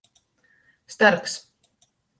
Starks.